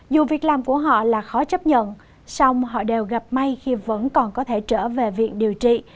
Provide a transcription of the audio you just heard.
dù việc làm của họ là khó chấp nhận xong họ đều gặp may khi vẫn còn có thể trở về viện điều trị